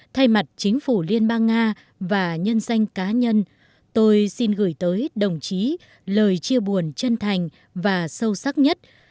thay mặt chính phủ liên bang nga và nhân danh cá nhân tôi xin gửi tới đồng chí lời chia buồn chân thành và sâu sắc nhất